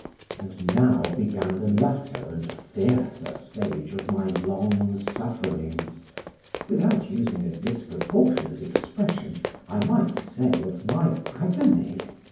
And now began the latter and fiercer stage of my long sufferings; without using a disproportionate expression I might say, of my agony.